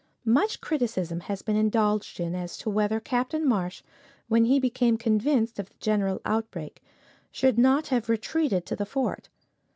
Much criticism has been indulged in as to whether Captain Marsh, when he became convinced of the general outbreak, should not have retreated to the fort.